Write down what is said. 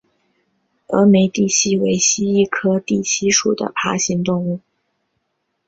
峨眉地蜥为蜥蜴科地蜥属的爬行动物。